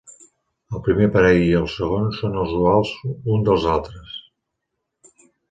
El primer parell i el segon són els duals uns dels altres.